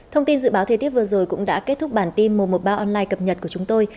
thông tin dự báo thời tiết vừa rồi cũng đã kết thúc bản tin một trăm một mươi ba online cập nhật của chúng tôi